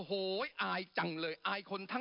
ปรับไปเท่าไหร่ทราบไหมครับ